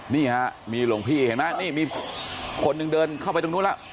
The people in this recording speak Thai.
นี่ฮะมีหลวงพี่เห็นไหมนี่มีคนหนึ่งเดินเข้าไปตรงนู้นแล้ว